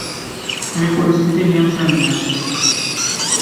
আমি পরিস্থিতি নিয়ন্ত্রণে নিয়ে আসবো।